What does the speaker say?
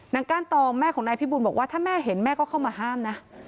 ก้านตองแม่ของนายพิบูลบอกว่าถ้าแม่เห็นแม่ก็เข้ามาห้ามนะ